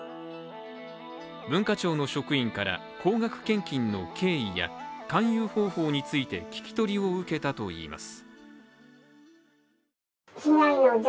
文化庁の職員から高額献金の経緯や勧誘方法について聞き取りを受けたといいます。